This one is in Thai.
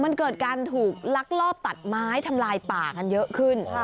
มันเกิดการถูกลักลอบตัดไม้ทำลายป่ากันเยอะขึ้น